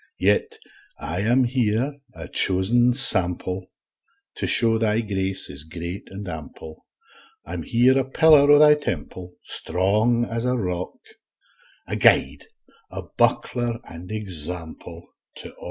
Yet I am here a chosen sample, To show thy grace is great and ample; I'm here a pillar o' Thy temple, Strong as a rock, A guide, a buckler, and example, To a' Thy flock.